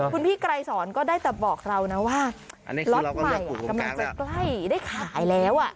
คุณพี่ไกรสอนก็ได้แต่บอกเรานะว่าล็อตใหม่กำลังจะใกล้ได้ขายแล้ว